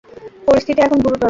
পরিস্থিতি এখন গুরুতর।